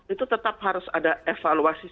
itu tetap harus ada evaluasi